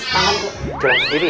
tangan bu jalan sendiri